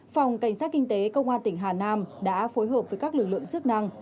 phòng cảnh sát kinh tế công an tỉnh hà nam đã phối hợp với các lực lượng chức năng